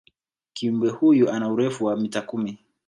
kiumbe huyu ana urefu wa mita kumi